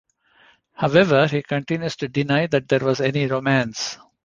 However, he continues to deny that there was any 'romance'.